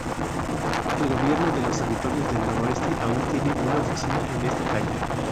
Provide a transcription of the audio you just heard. El gobierno de los Territorios del Noroeste aún tiene una oficina en esta calle.